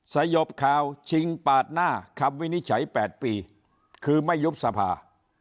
สยบข่าวชิงปาดหน้าคำวินิจฉัย๘ปีคือไม่ยุบสภา